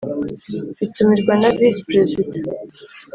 itumirwa na visi Perezida